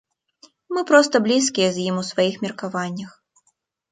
Мы проста блізкія з ім у сваіх меркаваннях.